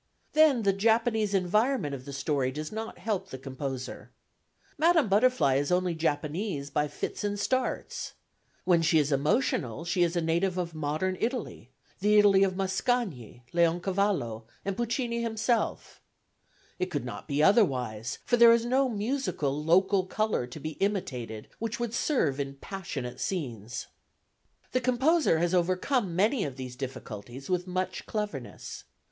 Then the Japanese environment of the story does not help the composer. Madame Butterfly is only Japanese by fits and starts. When she is emotional she is a native of modern Italy, the Italy of Mascagni, Leoncavallo and Puccini himself. It could not be otherwise, for there is no musical local colour to be imitated which would serve in passionate scenes. [Illustration: PUCCINI'S MANUSCRIPT SCORES, FROM THE FIRST ACT OF "MADAMA BUTTERFLY"] "The composer has overcome many of these difficulties with much cleverness.